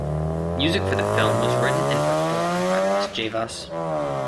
Music for the film was written and performed by Los Jaivas.